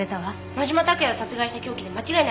真島拓也を殺害した凶器で間違いないですね。